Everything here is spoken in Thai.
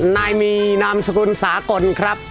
นายมีนามสกุลสากลครับ